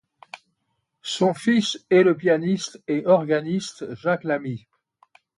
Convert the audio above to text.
Son fils est le pianiste et organiste Jacques Lamy.